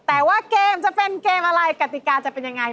แต่ว่าเกมจะเป็นเกมอะไรกติกาจะเป็นยังไง